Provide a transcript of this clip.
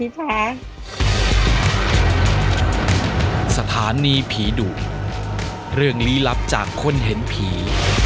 ฝันดีรับจากคนเห็นผี